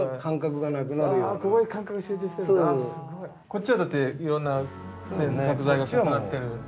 こっちはだっていろんな角材が重なってる。